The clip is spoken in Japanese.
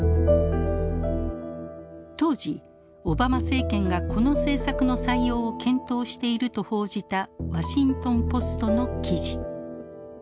当時オバマ政権がこの政策の採用を検討していると報じたワシントンポストの記事。